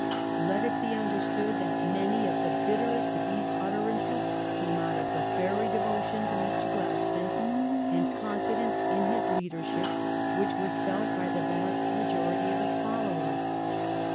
Let it be understood that many of the bitterest of these utterances came out of the very devotion to Mr. Gladstone and con fidence in his leadership which were felt by the vast majority of his followers.